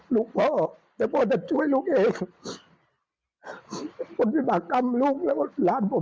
ลูกพ่อแต่พ่อจะช่วยลูกเองปฏิมากรรมลูกแล้วก็หลานผม